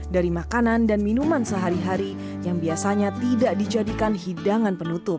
dari makanan dan minuman sehari hari yang biasanya tidak dijadikan hidangan penutup